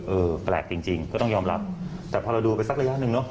เออแปลกจริงจริงก็ต้องยอมรับแต่พอเราดูไปสักระยะหนึ่งเนอะ